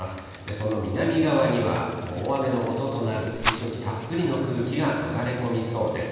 その南側には大雨のもととなる水蒸気たっぷりの空気が流れ込みそうです。